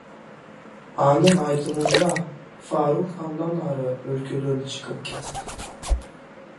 Анын айтымында, Фарук андан ары өлкөдөн чыгып кетет.